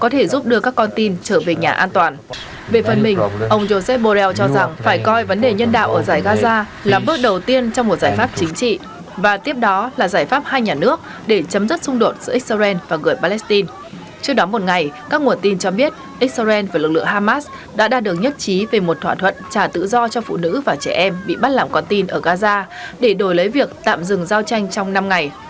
trước đó một ngày các nguồn tin cho biết israel và lực lượng hamas đã đạt được nhất trí về một thỏa thuận trả tự do cho phụ nữ và trẻ em bị bắt làm con tin ở gaza để đổi lấy việc tạm dừng giao tranh trong năm ngày